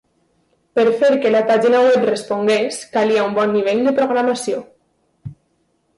Per fer que la pàgina web respongués calia un bon nivell de programació.